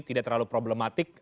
tidak terlalu problematik